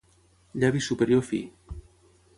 Llavi superior fi.